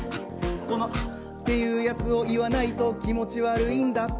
このアッていうやつを言わないと気持ち悪いんだ。